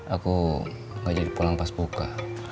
aku gak jadi pulang pas buka